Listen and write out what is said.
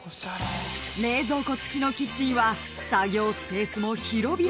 ［冷蔵庫付きのキッチンは作業スペースも広々］